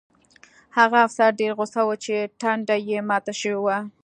هغه افسر ډېر غوسه و چې ټنډه یې ماته شوې وه